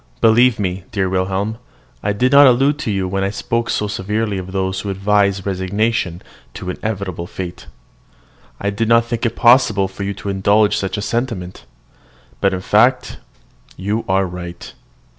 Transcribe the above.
Believe me, dear Wilhelm, I did not allude to you when I spoke so severely of those who advise resignation to inevitable fate. I did not think it possible for you to indulge such a sentiment. But in fact you are right.